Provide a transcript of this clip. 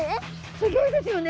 すギョいですよね。